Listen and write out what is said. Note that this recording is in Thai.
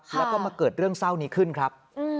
แล้วก็มาเกิดเรื่องเศร้านี้ขึ้นครับ